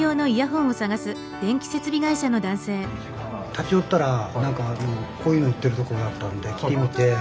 立ち寄ったらこういうの売ってるとこがあったんで来てみて。